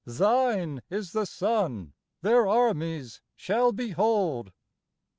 Thine is the sun their armies shall behold.